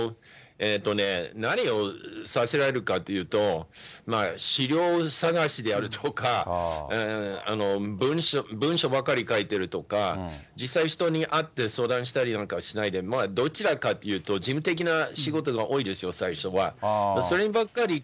何をさせられるかというと、資料探しであるとか、文書ばかり書いてるとか、実際、人に会って相談したりなんかはしないで、どちらかというと、事務的な仕事が多いですよ、最初は。